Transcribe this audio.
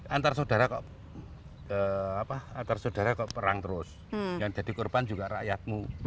antar saudara ke perang terus yang jadi korban juga rakyatmu